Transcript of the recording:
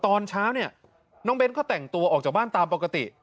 ตอนเช้าเนี่ยน้องเบ้นก็แต่งตัวออกจากบ้านตามปกติ